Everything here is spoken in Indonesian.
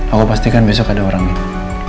aku pastikan besok ada orangnya